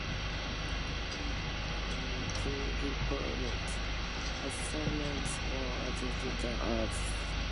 Complete any pre-employment assessments or screenings as required for the position.